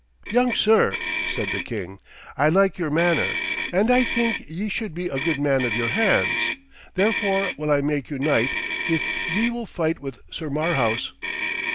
'Young sir,' said the king, 'I like your manner, and I think ye should be a good man of your hands. Therefore will I make you knight if ye will fight with Sir Marhaus.'